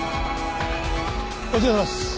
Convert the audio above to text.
お疲れさまです。